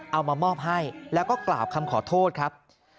เอามามอบให้แล้วก็กล่าวคำขอโทษครับ